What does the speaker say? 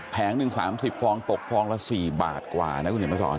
หนึ่ง๓๐ฟองตกฟองละ๔บาทกว่านะคุณเห็นมาสอน